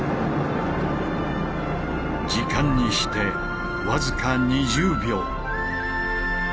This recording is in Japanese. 時間にして僅か２０秒。